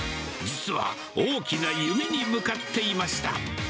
実は、大きな夢に向かっていました。